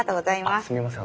あっすみません。